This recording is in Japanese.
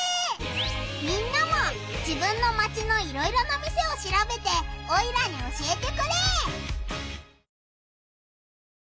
みんなも自分のマチのいろいろな店をしらべてオイラに教えてくれ！